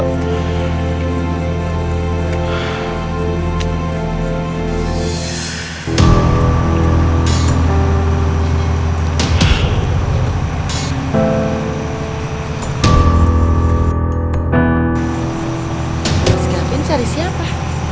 harus ngapain cari siapa